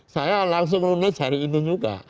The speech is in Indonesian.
saya langsung menulis dari itu juga